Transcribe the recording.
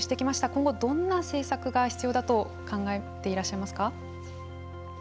今後、どんな政策が必要だと考えていらっしゃいますか。